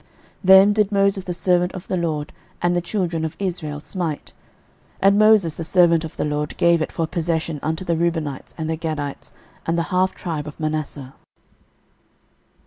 06:012:006 Them did Moses the servant of the LORD and the children of Israel smite: and Moses the servant of the LORD gave it for a possession unto the Reubenites, and the Gadites, and the half tribe of Manasseh.